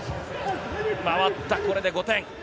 回った、これで５点。